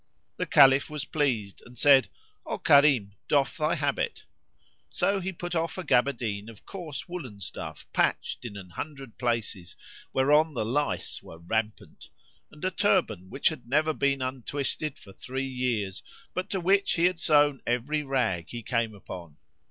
The Caliph was pleased and said, "O Karim, doff thy habit." So he put off a gaberdine of coarse woollen stuff patched in an hundred places whereon the lice were rampant, and a turband which had never been untwisted for three years but to which he had sewn every rag he came upon.